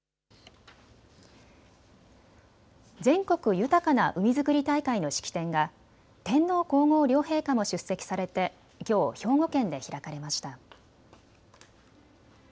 全国豊かな海づくり大会の式典が天皇皇后両陛下も出席されてきょう、兵庫県で開かれました。